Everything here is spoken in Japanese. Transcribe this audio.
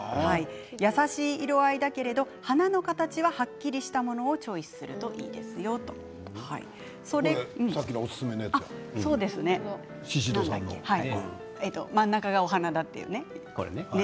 優しい色合いだけど花の形ははっきりしたものをさっきのおすすめのやつだ真ん中が、お花だというね。